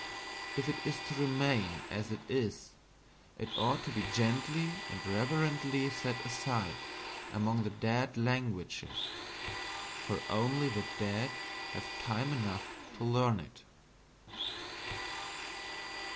If it is to remain as it is, it ought to be gently and reverently set aside among the dead languages, for only the dead have time to learn it.